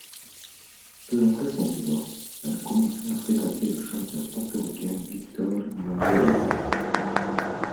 Peu après son divorce, elle a commencé à fréquenter le chanteur portoricain, Victor Manuelle.